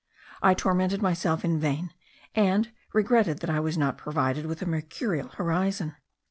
I tormented myself in vain; and regretted that I was not provided with a mercurial horizon.